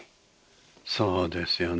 そうですよね。